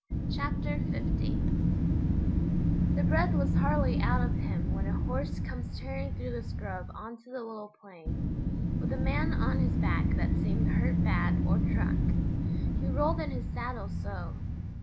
Chapter 50 The breath was hardly out of him when a horse comes tearing through the scrub on to the little plain, with a man on his back that seemed hurt bad or drunk, he rolled in his saddle so.